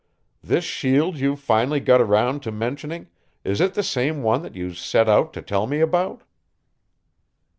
"This shield you've finally got around to mentioning is it the same one you set out to tell me about?"